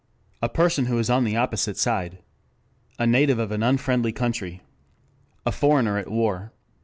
"A person who is on the opposite side." "A native of an unfriendly country." "A foreigner at war."